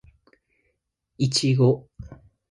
いちご